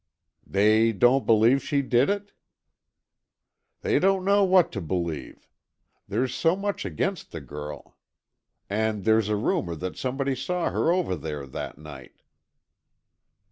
"They don't believe she did it?" "They don't know what to believe. There's so much against the girl. And there's a rumour that somebody saw her over there that night."